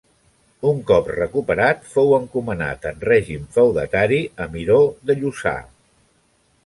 Un cop recuperat, fou encomanat, en règim feudatari, a Miró de Lluçà.